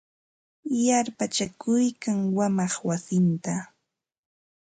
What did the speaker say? Yarpachakuykan wamaq wasinta.